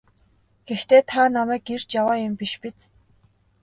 Гэхдээ та намайг эрж яваа юм биш биз?